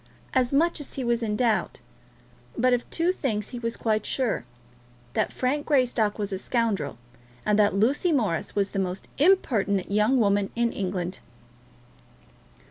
As to much he was in doubt; but of two things he was quite sure, that Frank Greystock was a scoundrel, and that Lucy Morris was the most impertinent young woman in England.